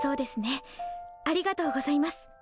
ありがとうございます。